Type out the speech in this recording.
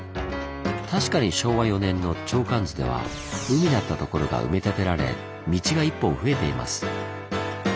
確かに昭和４年の鳥瞰図では海だった所が埋め立てられ道が１本増えています。